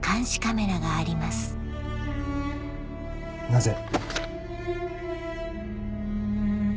なぜ。